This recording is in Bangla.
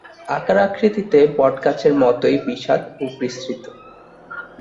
আকার-আকৃতিতে বট গাছের মতোই বিশাল ও বিস্তৃত।